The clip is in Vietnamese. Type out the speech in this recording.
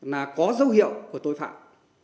là có dấu hiệu của tội phạm